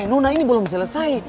eh nona ini belum selesai